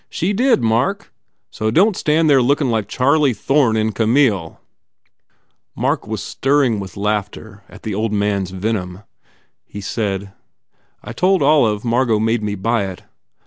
... She did, Mark. So don t stand there lookin like Charlie Thorne in Camille !" Mark was stirring with laughter at the old man s venom. He said, "I told Olive Margot made me buy it."